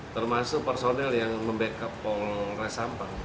termasuk personel yang membackup polres sampang